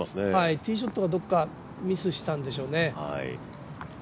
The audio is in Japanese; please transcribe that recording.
ティーショットがどっかミスしたんでしょうね。